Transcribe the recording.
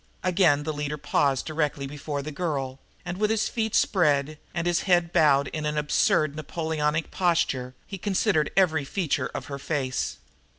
Again the leader paused directly before the girl, and, with his feet spread and his head bowed in an absurd Napoleonic posture, he considered every feature of her face.